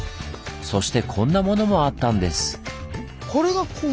そしてこんなものもあったんです！